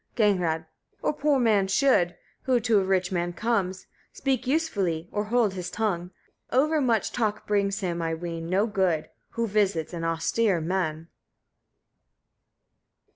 Gagnrâd. 10. A poor man should, who to a rich man comes, speak usefully or hold his tongue: over much talk brings him, I ween, no good, who visits an austere man.